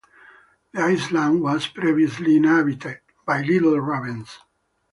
The island was previously inhabited by little ravens.